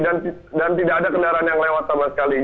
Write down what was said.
dan tidak ada kendaraan yang lewat sama sekali